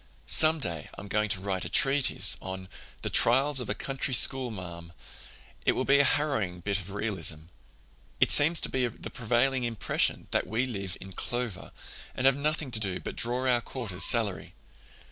Some day I'm going to write a treatise on 'The Trials of a Country Schoolmarm.' It will be a harrowing bit of realism. It seems to be the prevailing impression that we live in clover, and have nothing to do but draw our quarter's salary.